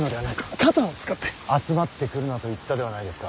集まってくるなと言ったではないですか。